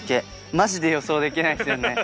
マジで予想できないっすよね。